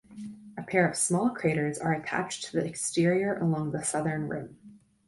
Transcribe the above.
A pair of small craters are attached to the exterior along the southern rim.